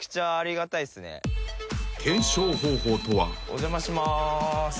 お邪魔します。